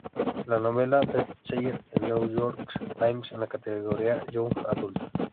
La novela Best Seller en "New York Times" en la categoría Young Adult.